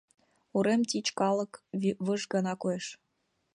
Урем тич калык выж гына коеш.